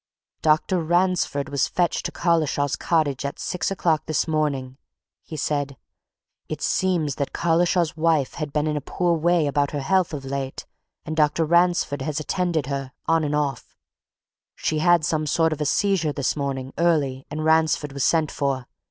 "Dr. Ransford was fetched to Collishaw's cottage at six o'clock this morning!" he said. "It seems that Collishaw's wife has been in a poor way about her health of late, and Dr. Ransford has attended her, off and on. She had some sort of a seizure this morning early and Ransford was sent for.